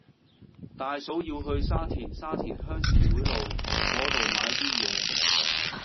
大嫂要去沙田沙田鄉事會路嗰度買啲嘢